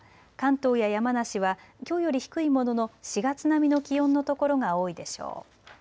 関東や山梨は、きょうより低いものの４月並みの気温の所が多いでしょう。